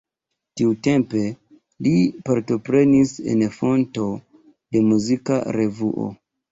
Tiutempe li partoprenis en fondo de muzika revuo.